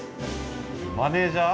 マネージャー？